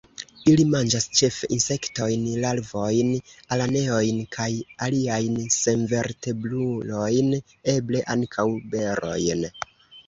Ili manĝas ĉefe insektojn, larvojn, araneojn kaj aliajn senvertebrulojn; eble ankaŭ berojn.